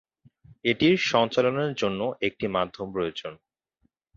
এটির সঞ্চালনের জন্য একটি মাধ্যম প্রয়োজন।